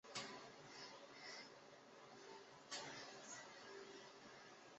现时送回的结果是有关这新闻的报道。